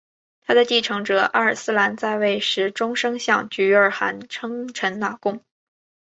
他的继承者阿尔斯兰在位时终生向菊儿汗称臣纳贡。